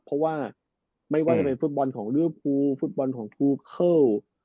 เพราะว่าไม่ว่าจะเป็นฟุตบอลของลิเวอร์ภูฟุตบอลของทูเคิล